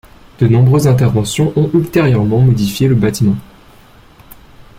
De nombreuses interventions ont ultérieurement modifié le bâtiment.